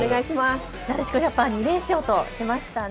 なでしこジャパン２連勝としましたね。